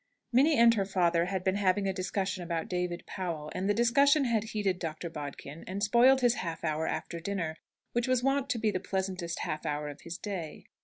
Minnie and her father had been having a discussion about David Powell, and the discussion had heated Dr. Bodkin, and spoiled his half hour after dinner, which was wont to be the pleasantest half hour of his day.